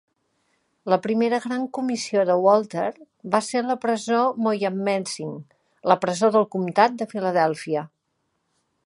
La primera gran comissió de Walter va ser la presó Moyamensing, la presó del comtat de Filadèlfia.